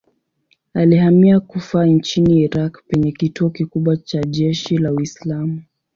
Alihamia Kufa nchini Irak penye kituo kikubwa cha jeshi la Uislamu.